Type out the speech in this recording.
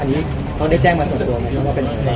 อันนี้ต้องได้แจ้งมาส่วนตัวไหมครับ